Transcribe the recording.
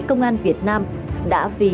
công an việt nam đã vì